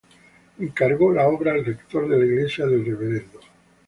Encargó la obra el rector de la iglesia el Rvdo.